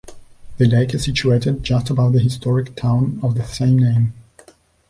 The lake is situated just above the historic town of the same name.